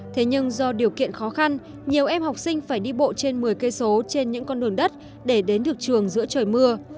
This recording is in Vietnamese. thế nhưng do điều kiện khó khăn nhiều em học sinh phải đi bộ trên một mươi km trên những con đường đất để đến được trường giữa trời mưa